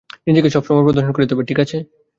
নিজেকে সবসময় প্রদর্শন করতে হবে, ঠিক আছে?